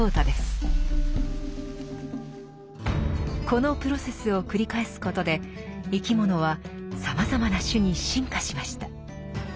このプロセスを繰り返すことで生き物はさまざまな種に進化しました。